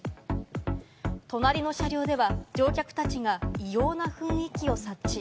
隣の車両では乗客たちが異様な雰囲気を察知。